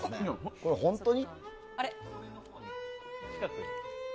これ、本当に？